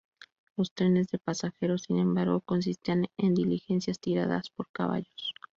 Los trenes de pasajeros sin embargo consistían en diligencias tiradas por caballos.